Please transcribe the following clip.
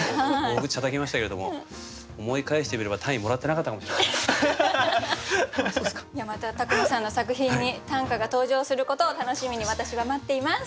大口たたきましたけれどもまた宅間さんの作品に短歌が登場することを楽しみに私は待っています。